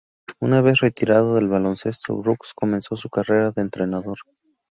Una vez retirado del baloncesto, Brooks comenzó su carrera de entrenador.